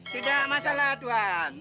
tidak masalah tuhan